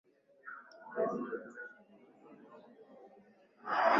maandiko megine yanatoka katika redio ya kimataifa ya mkulima